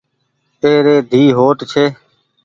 اي ري ڌي هوٽ ڇي۔